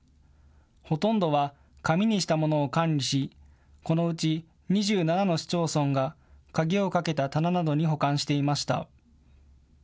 ほとんどは紙にしたものを管理しこのうち２７の市町村が鍵をかけた棚などに保管していました。